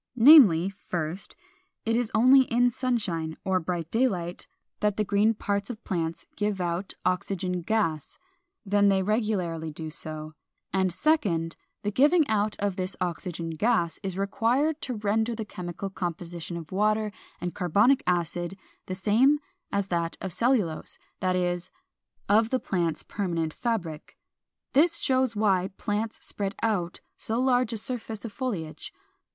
Namely, 1st, it is only in sunshine or bright daylight that the green parts of plants give out oxygen gas, then they regularly do so; and 2d, the giving out of this oxygen gas is required to render the chemical composition of water and carbonic acid the same as that of cellulose, that is, of the plant's permanent fabric. This shows why plants spread out so large a surface of foliage.